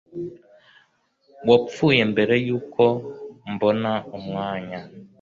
Wapfuye mbere yuko mbona umwanya -